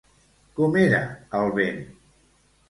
Com era el vent?